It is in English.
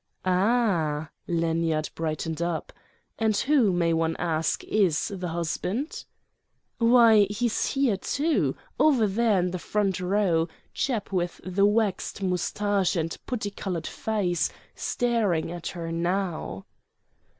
"Ah!" Lanyard brightened up. "And who, may one ask, is the husband?" "Why, he's here, too—over there in the front row—chap with the waxed moustache and putty coloured face, staring at her now."